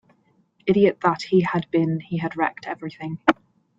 Idiot that he had been, he had wrecked everything!